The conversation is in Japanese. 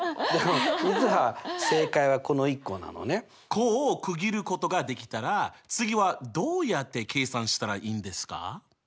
項を区切ることができたら次はどうやって計算したらいいんですか？